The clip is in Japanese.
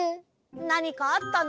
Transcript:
なにかあったの？